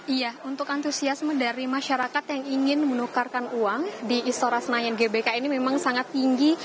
iya untuk antusiasme dari masyarakat yang ingin menukarkan uang di istora senayan gbk ini memang sangat tinggi